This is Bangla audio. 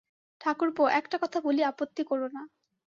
ঠাকরপো, একটা কথা বলি আপত্তি কোরো না।